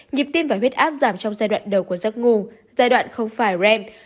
nhịp tim và huyết áp giảm trong giai đoạn đầu của giấc ngủ giai đoạn không phải rem